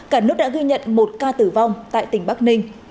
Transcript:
cả nước đã ghi nhận một ca tử vong tại tỉnh bắc ninh